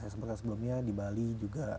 sebelumnya di bali juga